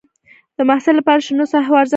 د محصل لپاره شنو ساحو ارزښت ډېر دی.